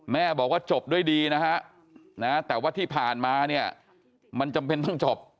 แม่บอกว่าจบด้วยดีนะฮะแต่ว่าที่ผ่านมาเนี่ยมันจำเป็นต้องจบ